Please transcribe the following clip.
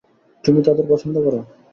তুমি তাদের পছন্দ করো?